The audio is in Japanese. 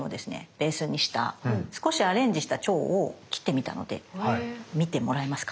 ベースにした少しアレンジした蝶を切ってみたので見てもらえますか？